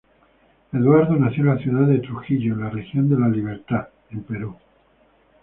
Eduardo nació en la ciudad de Trujillo, en la región La Libertad en Perú.